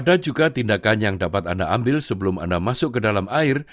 ada juga tindakan yang dapat anda ambil sebelum anda masuk ke dalam air